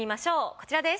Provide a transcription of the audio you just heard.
こちらです。